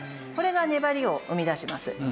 これが粘りを生み出します。